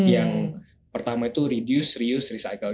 yang pertama itu reduce reuse recycle